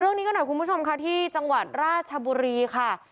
เรื่องนี้ก็หน่อยคุณผู้ชมค่ะที่จังหวัดราชบุรีค่ะ